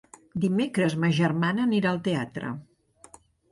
Dimecres ma germana anirà al teatre.